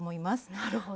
なるほど。